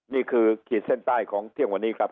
นี่คือคลิตเส้นใต้ของเที่ยงวันนี้ครับ